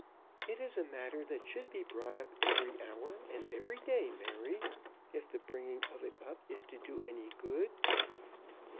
"It is a matter that should be brought up every hour and every day, Mary, if the bringing of it up is to do any good."